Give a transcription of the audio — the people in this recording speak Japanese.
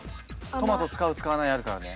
トマト使う使わないあるからね。